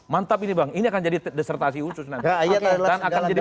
mantap ini bang ini akan jadi desertasi khusus nanti